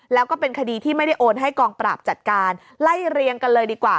แล้วก็เป็นคดีที่ไม่ได้โอนให้กองปราบจัดการไล่เรียงกันเลยดีกว่า